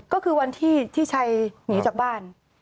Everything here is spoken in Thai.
ก็คือวันที่ที่ชัยหนีจากบ้าน